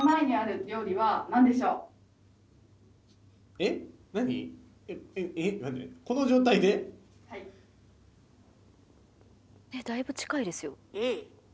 えっだいぶ近いですよ。